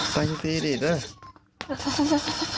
ไปดีดีด้วย